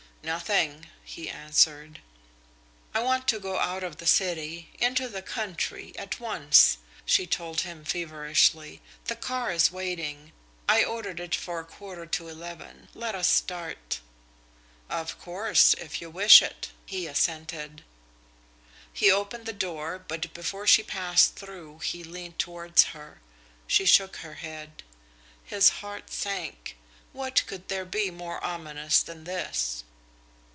"Nothing," he answered. "I want to go out of the city into the country, at once," she told him feverishly. "The car is waiting. I ordered it for a quarter to eleven. Let us start." "Of course, if you wish it," he assented. He opened the door but before she passed through he leaned towards her. She shook her head. His heart sank. What could there be more ominous than this!